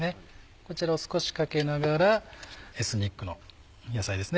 こちらを少しかけながらエスニックの野菜ですね